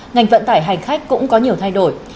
ngành vận tải hành khách cũng có nhiều thay đổi